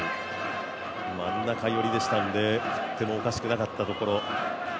真ん中寄りでしたので振ってもおかしくないところ。